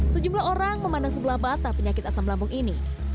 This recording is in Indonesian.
sejumlah orang memandang sebelah mata penyakit asam lambung ini